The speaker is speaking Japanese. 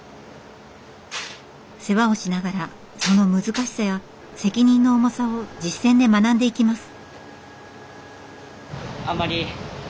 世話をしながらその難しさや責任の重さを実践で学んでいきます。